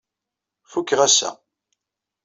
Fukeɣ ass-a.